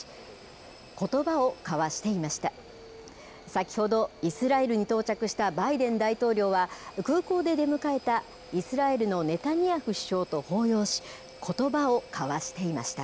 先ほど、イスラエルに到着したバイデン大統領は、空港で出迎えたイスラエルのネタニヤフ首相と抱擁し、ことばを交わしていました。